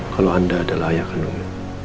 kalau anda adalah ayah kandungnya